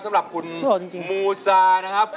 สำหรับคุณมูซานะครับ